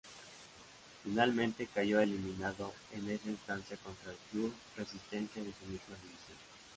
Finalmente cayó eliminado en esa instancia contra el club Resistencia de su misma división.